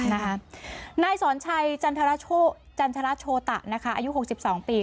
นายสอนชัยจันทราโชตะอายุ๖๒ปี